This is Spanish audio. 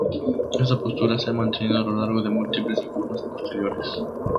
Esta postura se ha mantenido a lo largo de múltiples informes posteriores.